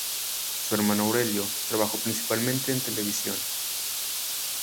Su hermano Aurelio, trabajó principalmente en televisión.